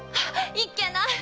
いけない！